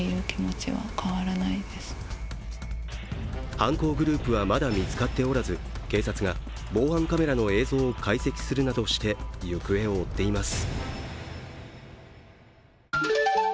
犯行グループはまだ見つかっておらず警察が防犯カメラの映像を解析するなどして行方を追っています。